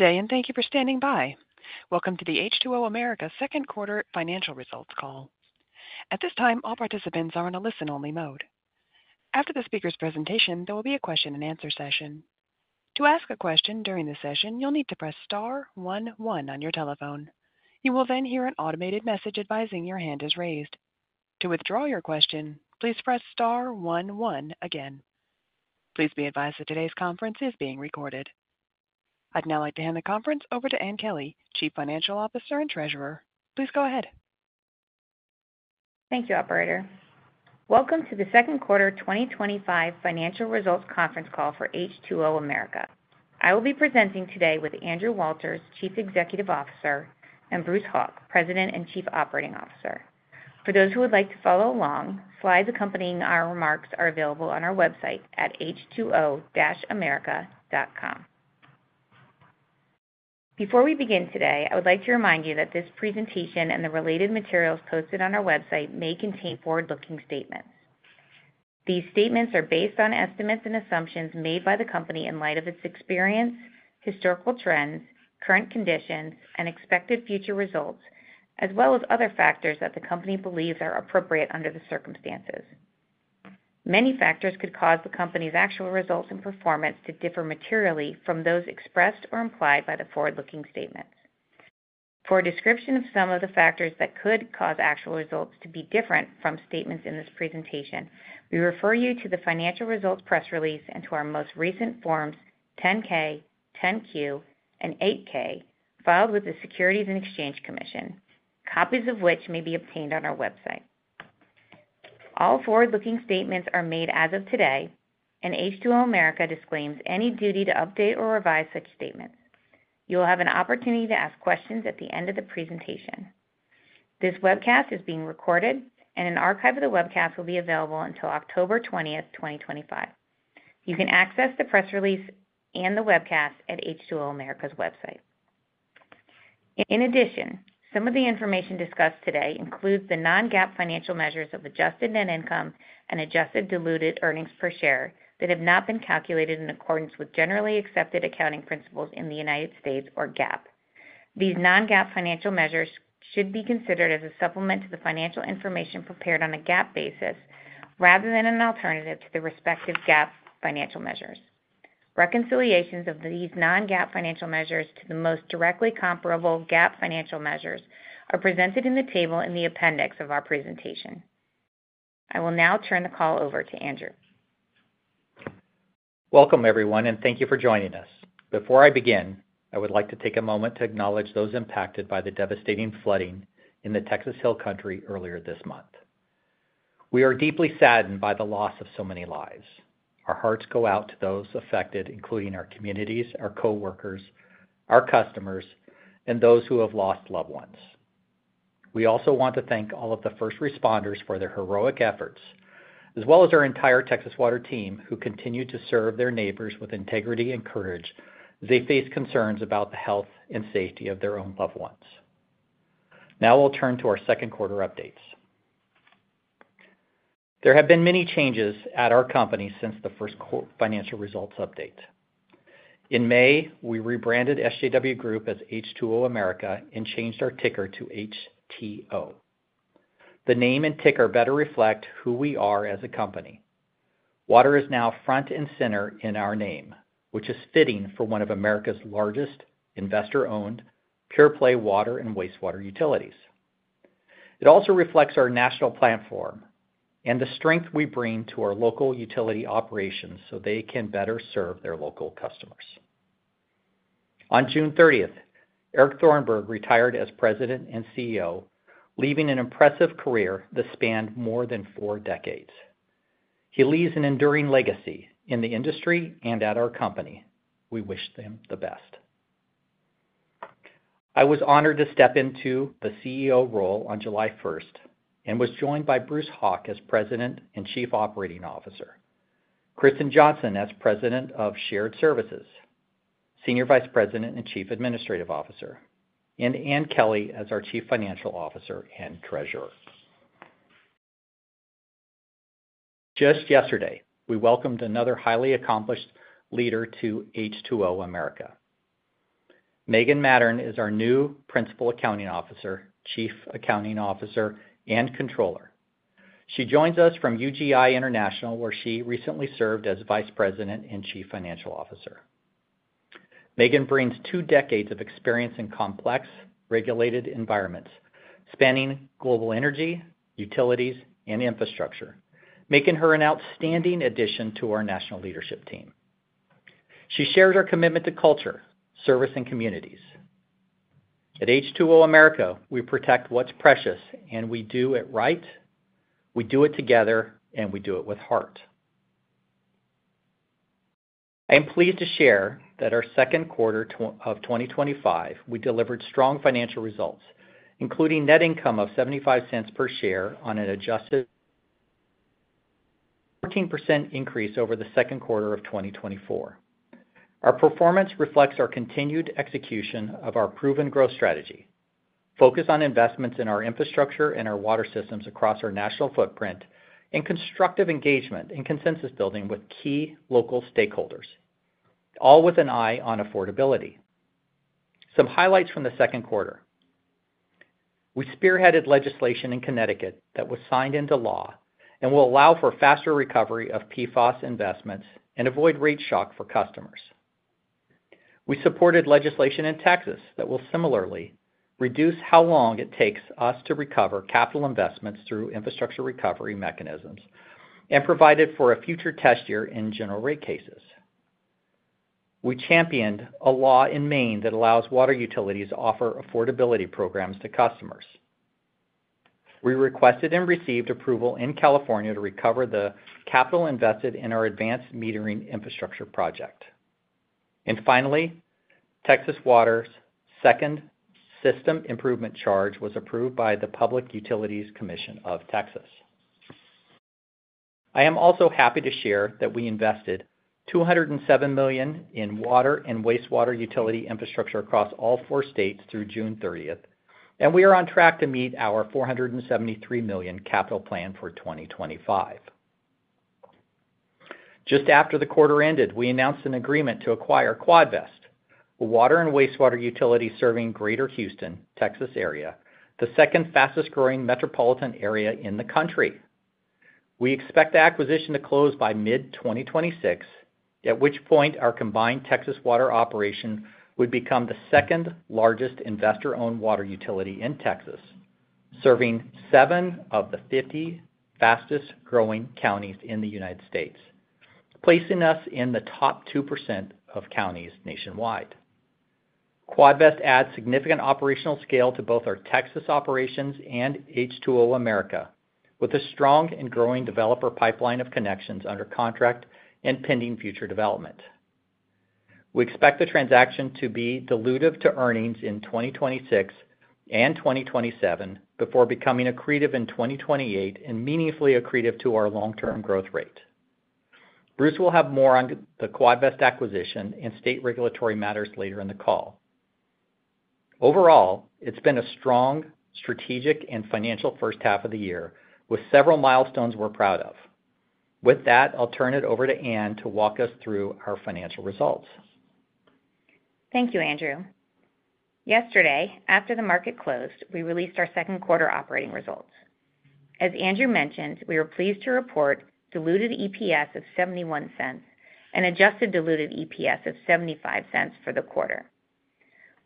Today, and thank you for standing by. Welcome to the H2O America's Second Quarter Financial Results call. At this time, all participants are in a listen-only mode. After the speaker's presentation, there will be a question and answer session. To ask a question during this session, you'll need to press star one one on your telephone. You will then hear an automated message advising your hand is raised. To withdraw your question, please press star one one again. Please be advised that today's conference is being recorded. I'd now like to hand the conference over to Ann Kelly, Chief Financial Officer and Treasurer. Please go ahead. Thank you, operator. Welcome to the Second Quarter 2025 Financial Results conference call for H2O America. I will be presenting today with Andrew Walters, Chief Executive Officer, and Bruce Hauk, President and Chief Operating Officer. For those who would like to follow along, slides accompanying our remarks are available on our website at h2o-america.com. Before we begin today, I would like to remind you that this presentation and the related materials posted on our website may contain forward-looking statements. These statements are based on estimates and assumptions made by the company in light of its experience, historical trends, current conditions, and expected future results, as well as other factors that the company believes are appropriate under the circumstances. Many factors could cause the company's actual results and performance to differ materially from those expressed or implied by the forward-looking statements. For a description of some of the factors that could cause actual results to be different from statements in this presentation, we refer you to the financial results press release and to our most recent forms, 10-K, 10-Q, and 8-K filed with the Securities and Exchange Commission, copies of which may be obtained on our website. All forward-looking statements are made as of today, and H2O America disclaims any duty to update or revise such statements. You will have an opportunity to ask questions at the end of the presentation. This webcast is being recorded, and an archive of the webcast will be available until October 20, 2025. You can access the press release and the webcast at H2O America's website. In addition, some of the information discussed today includes the non-GAAP financial measures of adjusted net income and adjusted diluted earnings per share that have not been calculated in accordance with generally accepted accounting principles in the United States, or GAAP. These non-GAAP financial measures should be considered as a supplement to the financial information prepared on a GAAP basis rather than an alternative to the respective GAAP financial measures. Reconciliations of these non-GAAP financial measures to the most directly comparable GAAP financial measures are presented in the table in the appendix of our presentation. I will now turn the call over to Andrew. Welcome, everyone, and thank you for joining us. Before I begin, I would like to take a moment to acknowledge those impacted by the devastating flooding in the Texas Hill Country earlier this month. We are deeply saddened by the loss of so many lives. Our hearts go out to those affected, including our communities, our coworkers, our customers, and those who have lost loved ones. We also want to thank all of the first responders for their heroic efforts, as well as our entire Texas Water team, who continued to serve their neighbors with integrity and courage as they faced concerns about the health and safety of their own loved ones. Now we'll turn to our second quarter updates. There have been many changes at our company since the first financial results update. In May, we rebranded SJW Group as H2O America and changed our ticker to HTO. The name and ticker better reflect who we are as a company. Water is now front and center in our name, which is fitting for one of America's largest investor-owned pure-play water and wastewater utilities. It also reflects our national platform and the strength we bring to our local utility operations so they can better serve their local customers. On June 30, Eric Thornburg retired as President and CEO, leaving an impressive career that spanned more than four decades. He leaves an enduring legacy in the industry and at our company. We wish him the best. I was honored to step into the CEO role on July 1 and was joined by Bruce Hauk as President and Chief Operating Officer, Kristen Johnson as President of Shared Services, Senior Vice President and Chief Administrative Officer, and Ann Kelly as our Chief Financial Officer and Treasurer. Just yesterday, we welcomed another highly accomplished leader to H2O America. Megan Mattern is our new Principal Accounting Officer, Chief Accounting Officer, and Controller. She joins us from UGI International, where she recently served as Vice President and Chief Financial Officer. Megan brings two decades of experience in complex regulated environments spanning global energy, utilities, and infrastructure, making her an outstanding addition to our national leadership team. She shares our commitment to culture, service, and communities. At H2O America, we protect what's precious, and we do it right. We do it together, and we do it with heart. I am pleased to share that our second quarter of 2025, we delivered strong financial results, including net income of $0.75 per share on an adjusted 14% increase over the second quarter of 2024. Our performance reflects our continued execution of our proven growth strategy, focus on investments in our infrastructure and our water systems across our national footprint, and constructive engagement in consensus building with key local stakeholders, all with an eye on affordability. Some highlights from the second quarter. We spearheaded legislation in Connecticut that was signed into law and will allow for a faster recovery of PFOS investments and avoid rate shock for customers. We supported legislation in Texas that will similarly reduce how long it takes us to recover capital investments through infrastructure recovery mechanisms and provided for a future test year in general rate cases. We championed a law in Maine that allows water utilities to offer affordability programs to customers. We requested and received approval in California to recover the capital invested in our advanced metering infrastructure project. Texas Water's second system improvement charge was approved by the Public Utilities Commission of Texas. I am also happy to share that we invested $207 million in water and wastewater utility infrastructure across all four states through June 30, and we are on track to meet our $473 million capital plan for 2025. Just after the quarter ended, we announced an agreement to acquire Quadvest, a water and wastewater utility serving Greater Houston, Texas area, the second fastest growing metropolitan area in the country. We expect the acquisition to close by mid-2026, at which point our combined Texas Water operation would become the second largest investor-owned water utility in Texas, serving seven of the 50 fastest growing counties in the United States, placing us in the top 2% of counties nationwide. Quadvest adds significant operational scale to both our Texas operations and H2O America, with a strong and growing developer pipeline of connections under contract and pending future development. We expect the transaction to be dilutive to earnings in 2026 and 2027 before becoming accretive in 2028 and meaningfully accretive to our long-term growth rate. Bruce will have more on the Quadvest acquisition and state regulatory matters later in the call. Overall, it's been a strong strategic and financial first half of the year with several milestones we're proud of. With that, I'll turn it over to Ann to walk us through our financial results. Thank you, Andrew. Yesterday, after the market closed, we released our second quarter operating results. As Andrew mentioned, we were pleased to report a diluted EPS of $0.71 and an adjusted diluted EPS of $0.75 for the quarter.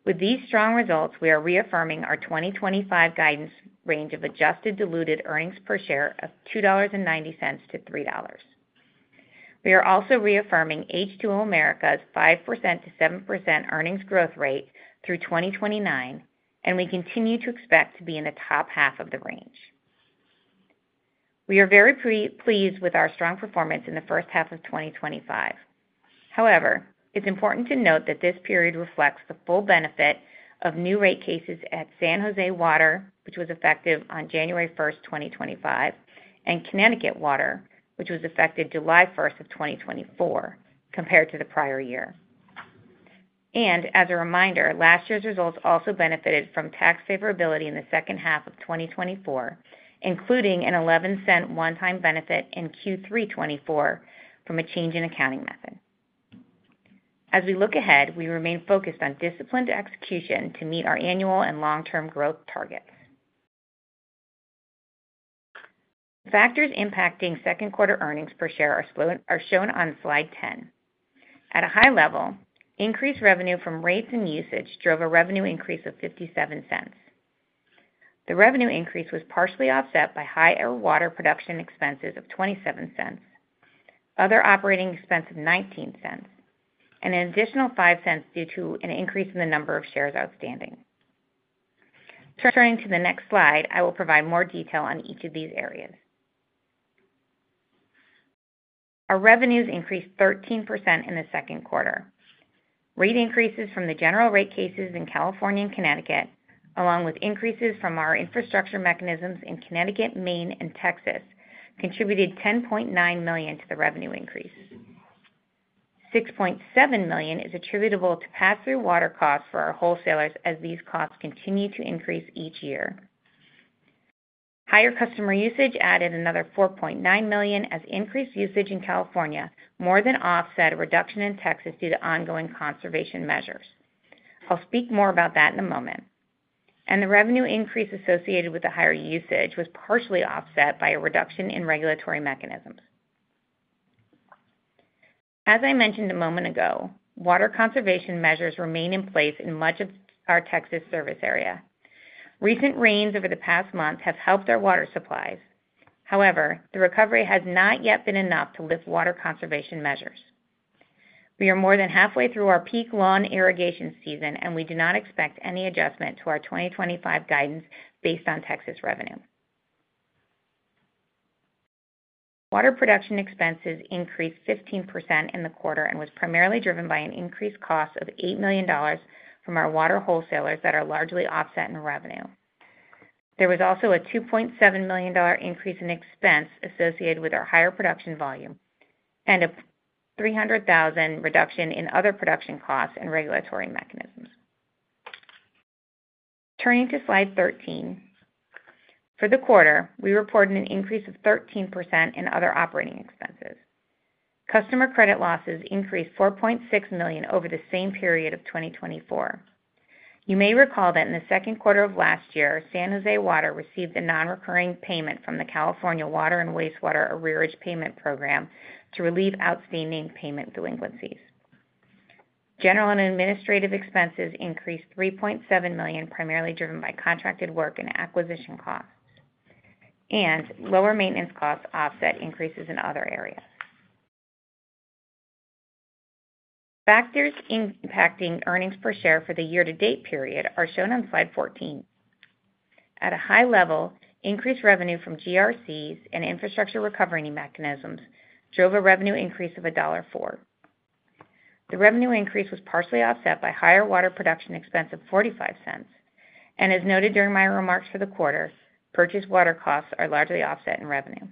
With these strong results, we are reaffirming our 2025 guidance range of adjusted diluted earnings per share of $2.90-$3.00. We are also reaffirming H2O America's 5%-7% earnings growth rate through 2029, and we continue to expect to be in the top half of the range. We are very pleased with our strong performance in the first half of 2025. However, it's important to note that this period reflects the full benefit of new rate cases at San Jose Water, which was effective on January 1, 2025, and Connecticut Water, which was effective July 1, 2024, compared to the prior year. Last year's results also benefited from tax favorability in the second half of 2024, including an $0.11 one-time benefit in Q3 2024 from a change in accounting method. As we look ahead, we remain focused on disciplined execution to meet our annual and long-term growth targets. Factors impacting second quarter earnings per share are shown on slide 10. At a high level, increased revenue from rates and usage drove a revenue increase of $0.57. The revenue increase was partially offset by higher water production expenses of $0.27, other operating expenses of $0.19, and an additional $0.05 due to an increase in the number of shares outstanding. Turning to the next slide, I will provide more detail on each of these areas. Our revenues increased 13% in the second quarter. Rate increases from the general rate cases in California and Connecticut, along with increases from our infrastructure mechanisms in Connecticut, Maine, and Texas, contributed $10.9 million to the revenue increase. $6.7 million is attributable to pass-through water costs for our wholesalers as these costs continue to increase each year. Higher customer usage added another $4.9 million as increased usage in California more than offset a reduction in Texas due to ongoing conservation measures. I'll speak more about that in a moment. The revenue increase associated with the higher usage was partially offset by a reduction in regulatory mechanisms. As I mentioned a moment ago, water conservation measures remain in place in much of our Texas service area. Recent rains over the past month have helped our water supplies. However, the recovery has not yet been enough to lift water conservation measures. We are more than halfway through our peak lawn irrigation season, and we do not expect any adjustment to our 2025 guidance based on Texas revenue. Water production expenses increased 15% in the quarter and was primarily driven by an increased cost of $8 million from our water wholesalers that are largely offset in revenue. There was also a $2.7 million increase in expense associated with our higher production volume and a $300,000 reduction in other production costs and regulatory mechanisms. Turning to slide 13, for the quarter, we reported an increase of 13% in other operating expenses. Customer credit losses increased $4.6 million over the same period of 2024. You may recall that in the second quarter of last year, San Jose Water received a non-recurring payment from the California Water and Wastewater Arrearage Payment Program to relieve outstanding payment delinquencies. General and administrative expenses increased $3.7 million, primarily driven by contracted work and acquisition costs, and lower maintenance costs offset increases in other areas. Factors impacting earnings per share for the year-to-date period are shown on slide 14. At a high level, increased revenue from GRCs and infrastructure recovery mechanisms drove a revenue increase of $1.4 million. The revenue increase was partially offset by a higher water production expense of $0.45. Purchased water costs are largely offset in revenue.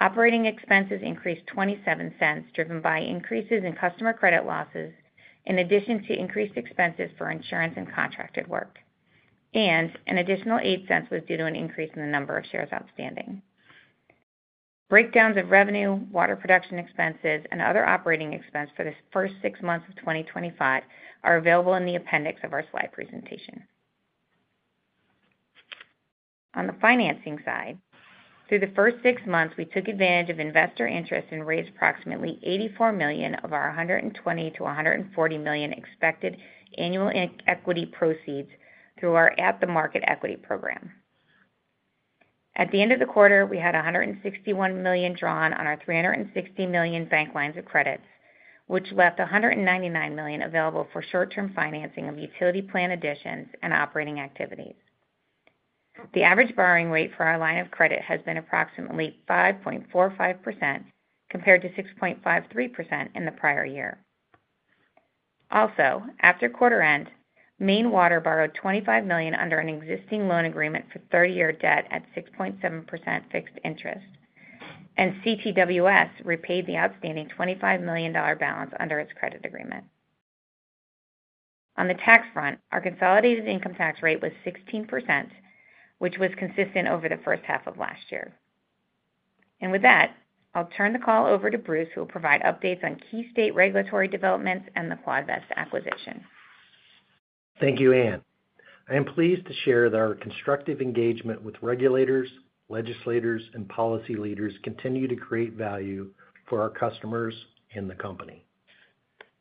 Operating expenses increased $0.27, driven by increases in customer credit losses in addition to increased expenses for insurance and contracted work. An additional $0.08 was due to an increase in the number of shares outstanding. Breakdowns of revenue, water production expenses, and other operating expenses for the first six months of 2025 are available in the appendix of our slide presentation. On the financing side, through the first six months, we took advantage of investor interest and raised approximately $84 million of our $120 million to $140 million expected annual equity proceeds through our at-the-market equity program. At the end of the quarter, we had $161 million drawn on our $360 million bank lines of credit, which left $199 million available for short-term financing of utility plan additions and operating activities. The average borrowing rate for our line of credit has been approximately 5.45% compared to 6.53% in the prior year. Also, after quarter end, Maine Water borrowed $25 million under an existing loan agreement for 30-year debt at 6.7% fixed interest, and Connecticut Water repaid the outstanding $25 million balance under its credit agreement. On the tax front, our consolidated income tax rate was 16%, which was consistent over the first half of last year. With that, I'll turn the call over to Bruce, who will provide updates on key state regulatory developments and the Quadvest acquisition. Thank you, Ann. I am pleased to share that our constructive engagement with regulators, legislators, and policy leaders continues to create value for our customers and the company.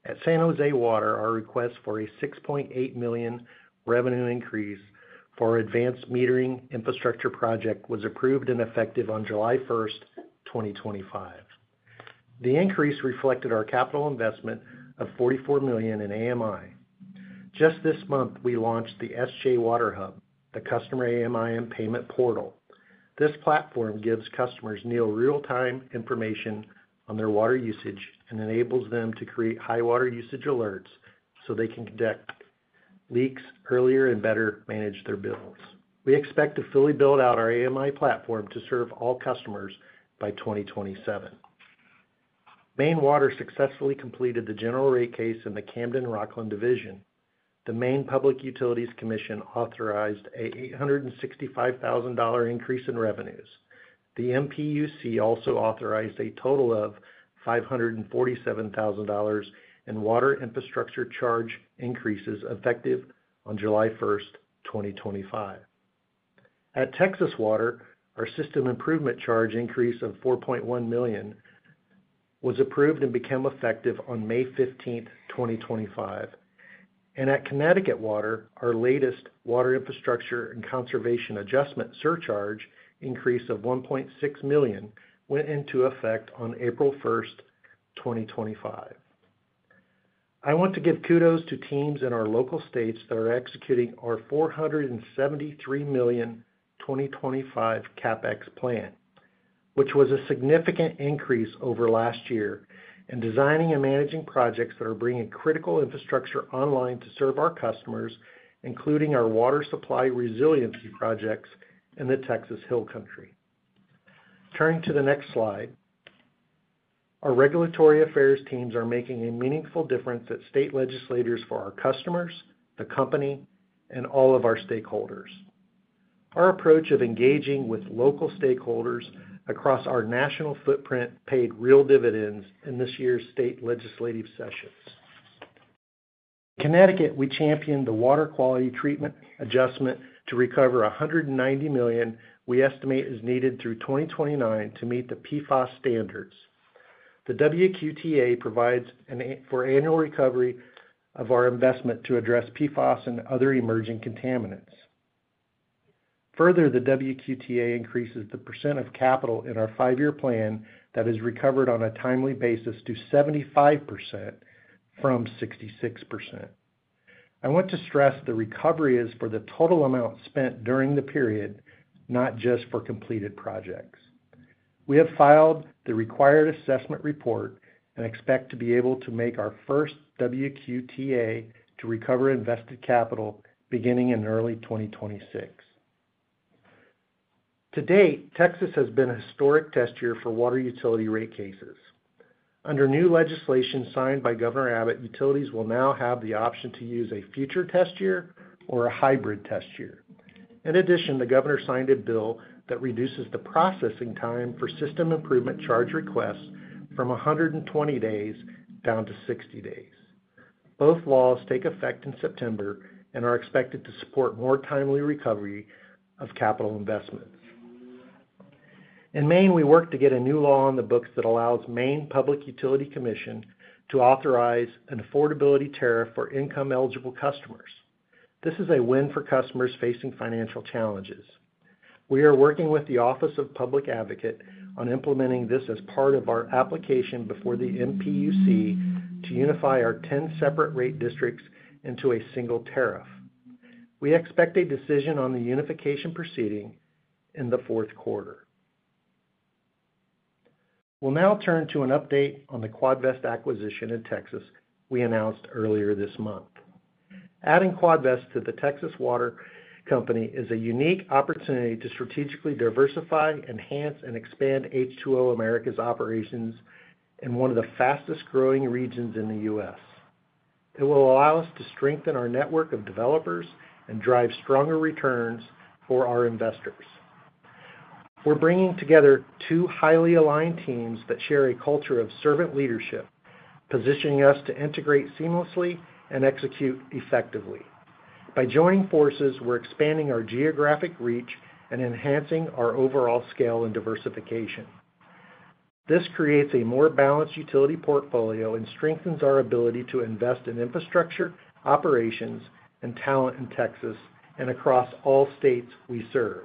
At San Jose Water, our request for a $6.8 million revenue increase for our advanced metering infrastructure project was approved and effective on July 1, 2025. The increase reflected our capital investment of $44 million in advanced metering infrastructure. Just this month, we launched the SJWaterHUB, the customer advanced metering infrastructure and payment portal. This platform gives customers near real-time information on their water usage and enables them to create high water usage alerts so they can detect leaks earlier and better manage their bills. We expect to fully build out our advanced metering infrastructure platform to serve all customers by 2027. Maine Water successfully completed the general rate case in the Camden Rockland division. The Maine Public Utilities Commission authorized an $865,000 increase in revenues. The MPUC also authorized a total of $547,000 in water infrastructure charge increases effective on July 1, 2025. At Texas Water, our system improvement charge increase of $4.1 million was approved and became effective on May 15, 2025. At Connecticut Water, our latest water infrastructure and conservation adjustment surcharge increase of $1.6 million went into effect on April 1, 2025. I want to give kudos to teams in our local states that are executing our $473 million 2025 CapEx plan, which was a significant increase over last year, and designing and managing projects that are bringing critical infrastructure online to serve our customers, including our water supply resiliency projects in the Texas Hill Country. Turning to the next slide, our regulatory affairs teams are making a meaningful difference at state legislators for our customers, the company, and all of our stakeholders. Our approach of engaging with local stakeholders across our national footprint paid real dividends in this year's state legislative sessions. In Connecticut, we championed the water quality treatment adjustment to recover $190 million we estimate is needed through 2029 to meet the PFOS standards. The water quality treatment adjustment provides for annual recovery of our investment to address PFOS and other emerging contaminants. Further, the water quality treatment adjustment increases the % of capital in our five-year plan that is recovered on a timely basis to 75% from 66%. I want to stress the recovery is for the total amount spent during the period, not just for completed projects. We have filed the required assessment report and expect to be able to make our first WQTA to recover invested capital beginning in early 2026. To date, Texas has been a historic test year for water utility rate cases. Under new legislation signed by Governor Abbott, utilities will now have the option to use a future test year or a hybrid test year. In addition, the governor signed a bill that reduces the processing time for system improvement charge requests from 120 days down to 60 days. Both laws take effect in September and are expected to support more timely recovery of capital investments. In Maine, we work to get a new law on the books that allows Maine Public Utility Commission to authorize an affordability tariff for income-eligible customers. This is a win for customers facing financial challenges. We are working with the Office of Public Advocate on implementing this as part of our application before the MPUC to unify our 10 separate rate districts into a single tariff. We expect a decision on the unification proceeding in the fourth quarter. We'll now turn to an update on the Quadvest acquisition in Texas we announced earlier this month. Adding Quadvest to the Texas Water Company is a unique opportunity to strategically diversify, enhance, and expand H2O America's operations in one of the fastest growing regions in the U.S. It will allow us to strengthen our network of developers and drive stronger returns for our investors. We're bringing together two highly aligned teams that share a culture of servant leadership, positioning us to integrate seamlessly and execute effectively. By joining forces, we're expanding our geographic reach and enhancing our overall scale and diversification. This creates a more balanced utility portfolio and strengthens our ability to invest in infrastructure, operations, and talent in Texas and across all states we serve.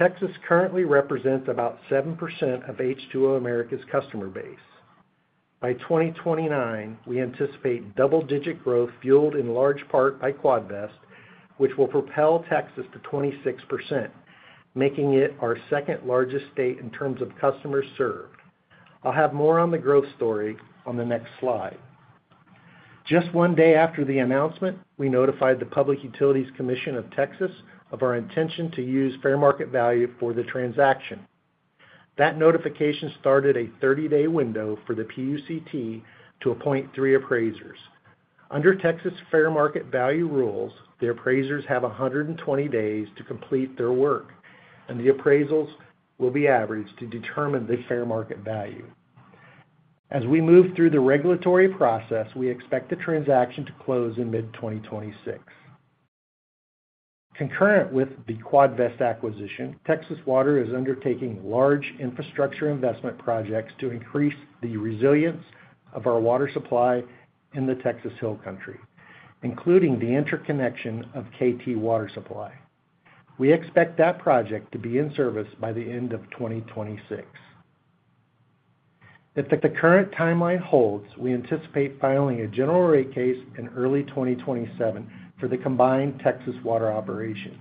Texas currently represents about 7% of H2O America's customer base. By 2029, we anticipate double-digit growth fueled in large part by Quadvest, which will propel Texas to 26%, making it our second largest state in terms of customers served. I'll have more on the growth story on the next slide. Just one day after the announcement, we notified the Public Utilities Commission of Texas of our intention to use fair market value for the transaction. That notification started a 30-day window for the PUCT to appoint three appraisers. Under Texas fair market value rules, the appraisers have 120 days to complete their work, and the appraisals will be averaged to determine the fair market value. As we move through the regulatory process, we expect the transaction to close in mid-2026. Concurrent with the Quadvest acquisition, Texas Water is undertaking large infrastructure investment projects to increase the resilience of our water supply in the Texas Hill Country, including the interconnection of KT water supply. We expect that project to be in service by the end of 2026. If the current timeline holds, we anticipate filing a general rate case in early 2027 for the combined Texas Water operations.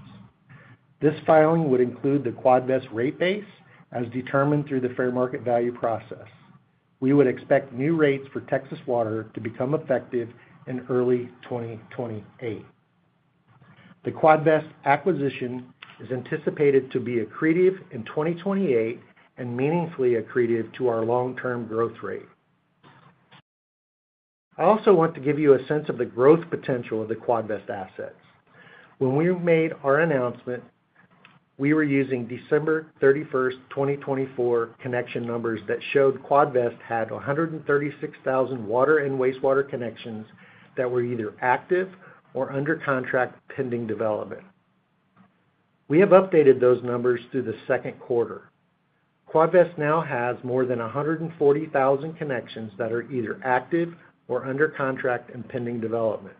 This filing would include the Quadvest rate base as determined through the fair market value process. We would expect new rates for Texas Water to become effective in early 2028. The Quadvest acquisition is anticipated to be accretive in 2028 and meaningfully accretive to our long-term growth rate. I also want to give you a sense of the growth potential of the Quadvest assets. When we made our announcement, we were using December 31, 2024, connection numbers that showed Quadvest had 136,000 water and wastewater connections that were either active or under contract pending development. We have updated those numbers through the second quarter. Quadvest now has more than 140,000 connections that are either active or under contract and pending development,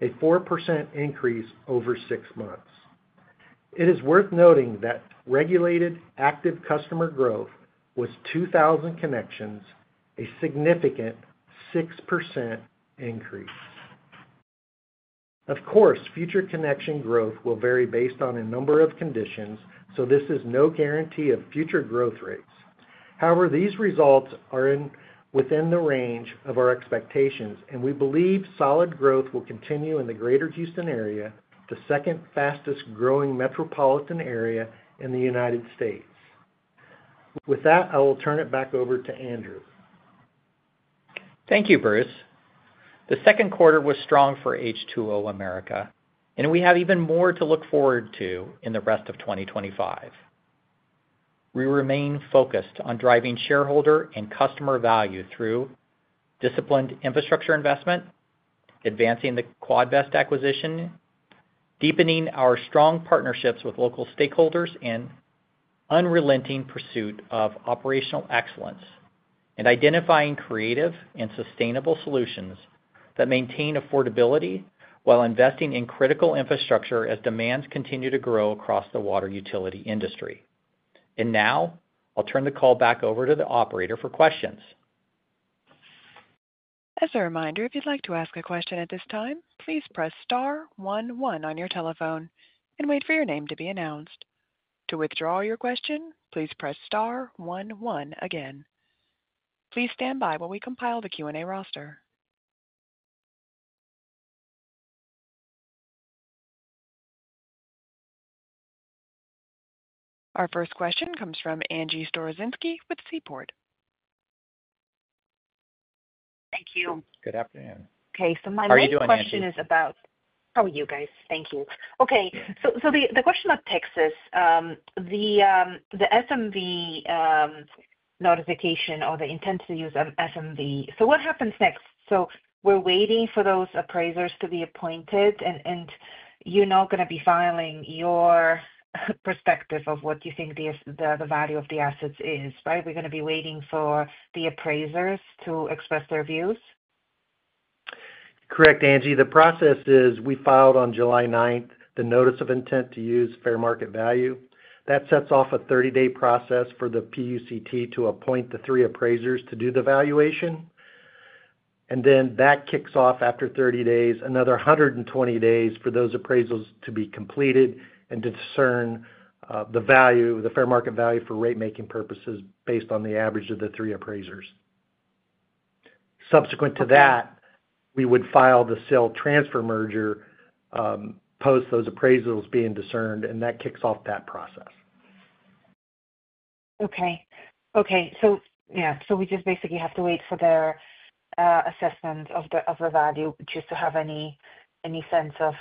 a 4% increase over six months. It is worth noting that regulated active customer growth was 2,000 connections, a significant 6% increase. Of course, future connection growth will vary based on a number of conditions, so this is no guarantee of future growth rates. However, these results are within the range of our expectations, and we believe solid growth will continue in the Greater Houston area, the second fastest growing metropolitan area in the United States. With that, I will turn it back over to Andrew. Thank you, Bruce. The second quarter was strong for H2O America, and we have even more to look forward to in the rest of 2025. We remain focused on driving shareholder and customer value through disciplined infrastructure investment, advancing the Quadvest acquisition, deepening our strong partnerships with local stakeholders, unrelenting pursuit of operational excellence, and identifying creative and sustainable solutions that maintain affordability while investing in critical infrastructure as demands continue to grow across the water utility industry. I will now turn the call back over to the operator for questions. As a reminder, if you'd like to ask a question at this time, please press star one one on your telephone and wait for your name to be announced. To withdraw your question, please press star one one again. Please stand by while we compile the Q&A roster. Our first question comes from Angie Storozynski with Seaport. Thank you. Good afternoon. Okay. My main question is about how are you guys? Thank you. The question of Texas, the FMV notification or the intent to use an FMV. What happens next? We're waiting for those appraisers to be appointed, and you're now going to be filing your perspective of what you think the value of the assets is, right? We're going to be waiting for the appraisers to express their views? Correct, Angie. The process is we filed on July 9th the notice of intent to use fair market value. That sets off a 30-day process for the PUCT to appoint the three appraisers to do the valuation. That kicks off after 30 days, another 120 days for those appraisals to be completed and to discern the value, the fair market value for rate-making purposes based on the average of the three appraisers. Subsequent to that, we would file the sale transfer merger post those appraisals being discerned, and that kicks off that process. Okay. So we just basically have to wait for their assessment of the value just to have any sense of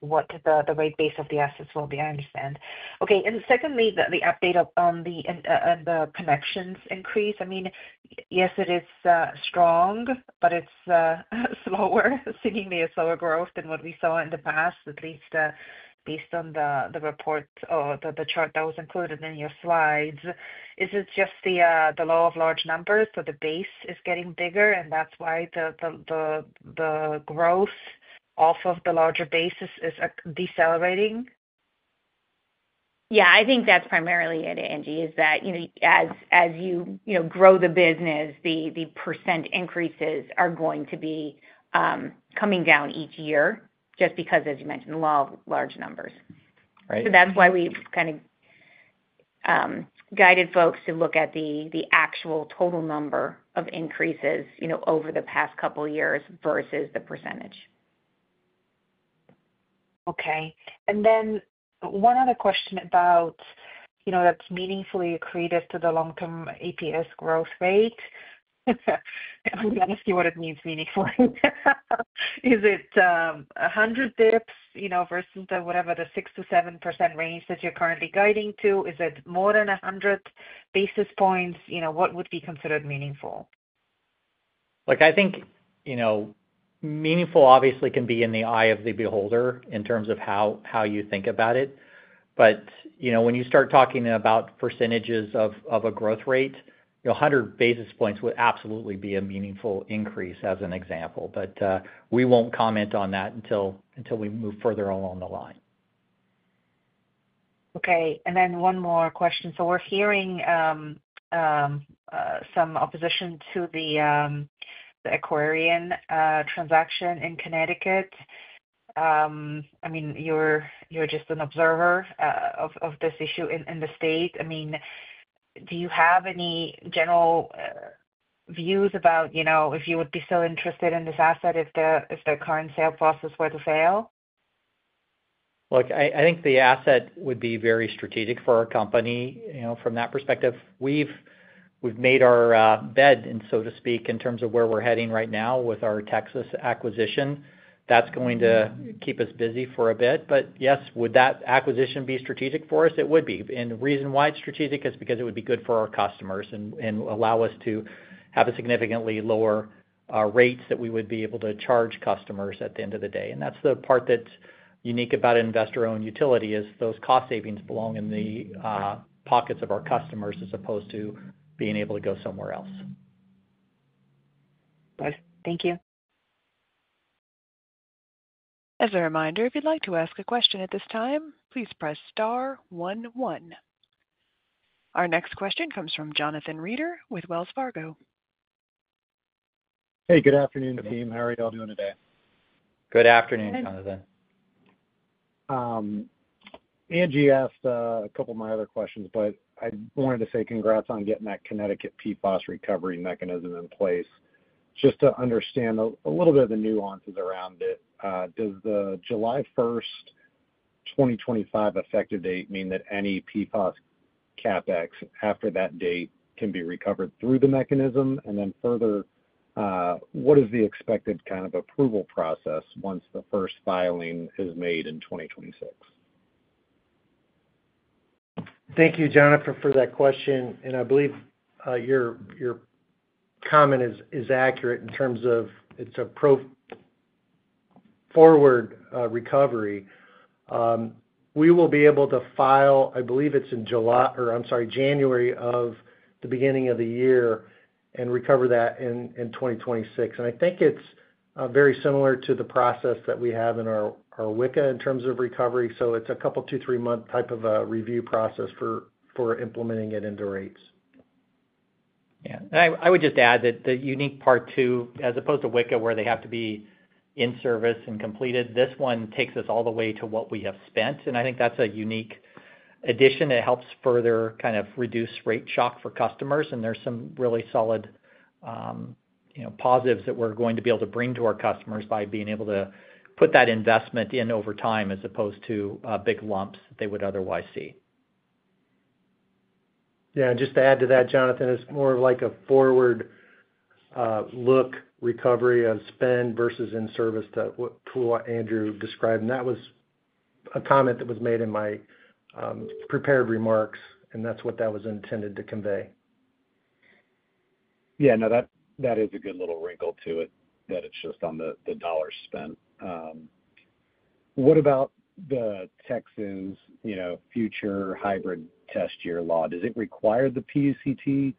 what the rate base of the assets will be, I understand. Secondly, the update on the connections increase. I mean, yes, it is strong, but it's slower, seemingly a slower growth than what we saw in the past, at least based on the report or the chart that was included in your slides. Is it just the law of large numbers? The base is getting bigger, and that's why the growth off of the larger basis is decelerating? Yeah, I think that's primarily it, Angie, is that, you know, as you grow the business, the % increases are going to be coming down each year just because, as you mentioned, the law of large numbers, right? That's why we've kind of guided folks to look at the actual total number of increases over the past couple of years versus the %. Okay. One other question about, you know, that's meaningfully accretive to the long-term EPS growth rate. If we can ask you what it means meaningfully, is it 100 bps versus the whatever the 6 to 7% range that you're currently guiding to? Is it more than 100 basis points? What would be considered meaningful? I think meaningful obviously can be in the eye of the beholder in terms of how you think about it. When you start talking about % of a growth rate, 100 basis points would absolutely be a meaningful increase as an example. We won't comment on that until we move further along the line. Okay. One more question. We're hearing some opposition to the Aquarion transaction in Connecticut. You're just an observer of this issue in the state. Do you have any general views about if you would be still interested in this asset if the current sale process were to fail? Look, I think the asset would be very strategic for our company, you know, from that perspective. We've made our bed, so to speak, in terms of where we're heading right now with our Texas acquisition. That's going to keep us busy for a bit. Yes, would that acquisition be strategic for us? It would be. The reason why it's strategic is because it would be good for our customers and allow us to have a significantly lower rate that we would be able to charge customers at the end of the day. That's the part that's unique about an investor-owned utility, those cost savings belong in the pockets of our customers as opposed to being able to go somewhere else. Thank you. As a reminder, if you'd like to ask a question at this time, please press star one one. Our next question comes from Jonathan Reeder with Wells Fargo. Hey, good afternoon, team. How are y'all doing today? Good afternoon, Jonathan. Angie asked a couple of my other questions, but I wanted to say congrats on getting that Connecticut PFOS recovery mechanism in place. Just to understand a little bit of the nuances around it, does the July 1, 2025 effective date mean that any PFOS CapEx after that date can be recovered through the mechanism? Further, what is the expected kind of approval process once the first filing is made in 2026? Thank you, Jonathan, for that question. I believe your comment is accurate in terms of it's a pro-forward recovery. We will be able to file, I believe it's in January at the beginning of the year and recover that in 2026. I think it's very similar to the process that we have in our WICA in terms of recovery. It's a couple of two, three-month type of a review process for implementing it into rates. I would just add that the unique part too, as opposed to WICA, where they have to be in service and completed, this one takes us all the way to what we have spent. I think that's a unique addition. It helps further kind of reduce rate shock for customers. There are some really solid positives that we're going to be able to bring to our customers by being able to put that investment in over time as opposed to big lumps that they would otherwise see. Yeah, just to add to that, Jonathan, it's more of like a forward look recovery of spend versus in service to what Andrew described. That was a comment that was made in my prepared remarks, and that's what that was intended to convey. Yeah, no, that is a good little wrinkle to it that it's just on the dollar spent. What about the Texas future hybrid test year law? Does it require the PUCT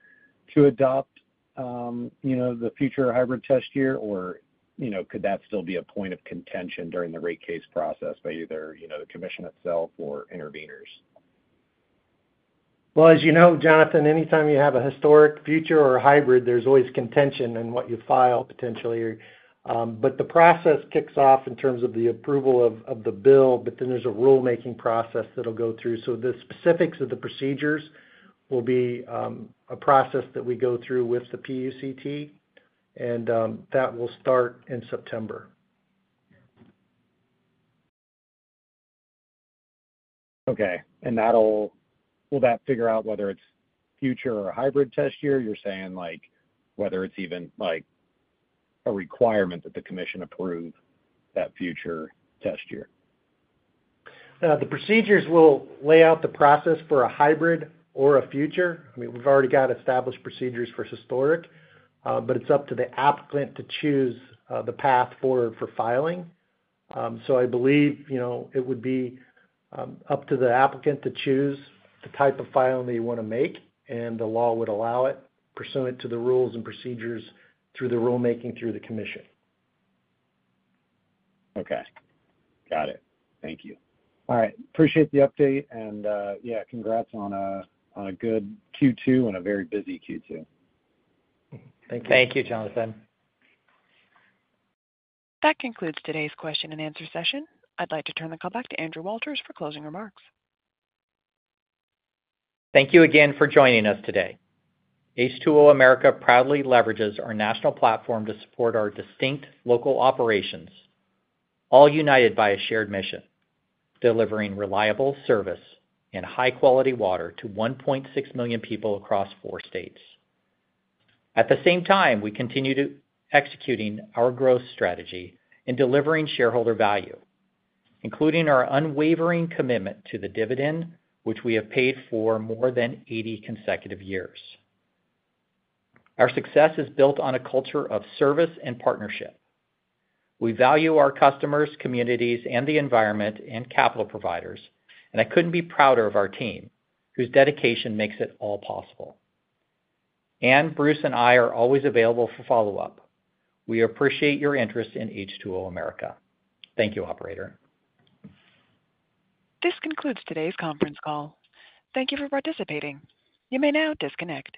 to adopt, you know, the future hybrid test year, or, you know, could that still be a point of contention during the rate case process by either, you know, the commission itself or interveners? As you know, Jonathan, anytime you have a historic future or a hybrid, there's always contention on what you file potentially. The process kicks off in terms of the approval of the bill, but then there's a rulemaking process that'll go through. The specifics of the procedures will be a process that we go through with the PUCT, and that will start in September. Okay. Will that figure out whether it's future or a hybrid test year? You're saying like whether it's even like a requirement that the commission approve that future test year? The procedures will lay out the process for a hybrid or a future. We've already got established procedures for historic, but it's up to the applicant to choose the path for filing. I believe it would be up to the applicant to choose the type of filing that you want to make, and the law would allow it, pursuant to the rules and procedures through the rulemaking through the commission. Okay. Got it. Thank you. All right. Appreciate the update. Yeah, congrats on a good Q2 and a very busy Q2. Thank you. Thank you, Jonathan. That concludes today's question and answer session. I'd like to turn the call back to Andrew Walters for closing remarks. Thank you again for joining us today. H2O America proudly leverages our national platform to support our distinct local operations, all united by a shared mission: delivering reliable service and high-quality water to 1.6 million people across four states. At the same time, we continue to execute our growth strategy in delivering shareholder value, including our unwavering commitment to the dividend, which we have paid for more than 80 consecutive years. Our success is built on a culture of service and partnership. We value our customers, communities, the environment, and capital providers, and I couldn't be prouder of our team, whose dedication makes it all possible. Ann, Bruce, and I are always available for follow-up. We appreciate your interest in H2O America. Thank you, operator. This concludes today's conference call. Thank you for participating. You may now disconnect.